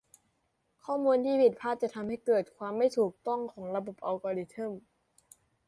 ข้อมูลที่ผิดพลาดจะทำให้เกิดความไม่ถูกต้องของระบบอัลกอริทึม